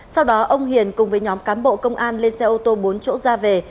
sau đó ông hiền cùng với nhóm cán bộ công an lên xe ô tô bốn chỗ ra về